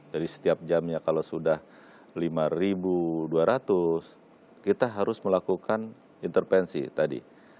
jadi setiap jamnya kalau sudah lima dua ratus kita harus melakukan interpensi tadi